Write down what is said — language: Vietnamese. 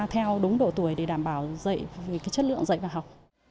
theo đúng độ tuổi để đảm bảo chất lượng dạy và học